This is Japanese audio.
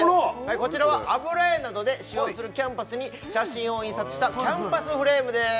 こちらは油絵などで使用するキャンバスに写真を印刷したキャンバスフレームです